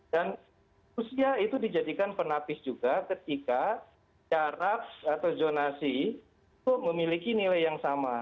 dan usia itu dijadikan penapis juga ketika carab atau zonasi itu memiliki nilai yang sama